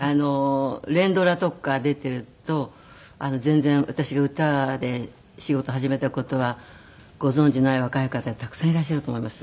連ドラとか出ていると全然私が歌で仕事始めた事はご存じない若い方たくさんいらっしゃると思います。